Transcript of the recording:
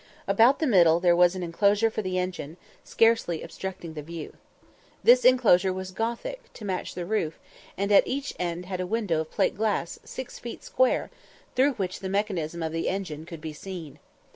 About the middle there was an enclosure for the engine, scarcely obstructing the view. This enclosure was Gothic, to match the roof, and at each end had a window of plate glass, 6 feet square, through which the mechanism of the engine could be seen.